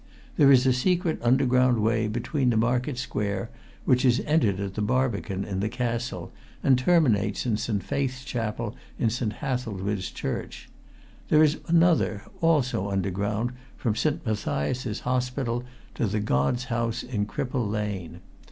There is a secret underground way beneath the market square which is entered at the Barbican in the Castle and terminates in St. Faith's chapel in St. Hathelswide's church; there is another, also underground, from St. Matthias's Hospital to the God's House in Cripple Lane.